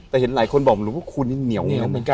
แต่เห็นหลายคนบอกหลวงพ่อคูณเหนียว